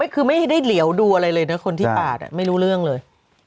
คือไม่ได้เหลียวดูอะไรเลยนะคนที่ปาดไม่รู้เรื่องเลย